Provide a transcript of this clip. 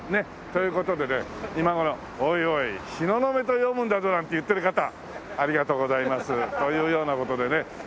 という事でね今頃おいおい「東雲」と読むんだぞなんて言ってる方ありがとうございます。というような事でね